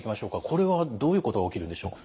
これはどういうことが起きるんでしょう？